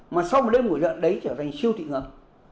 mà sau một đêm mùi lợn đấy trở thành siêu thị ngầm